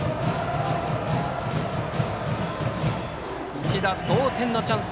一打同点のチャンス。